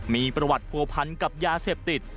มีประวัติโผพันธุ์กับยาเสพติด